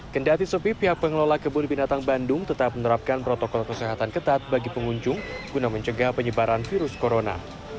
kendati sepi pihak pengelola kebun binatang bandung tetap menerapkan protokol kesehatan ketat bagi pengunjung guna mencegah penyebaran virus corona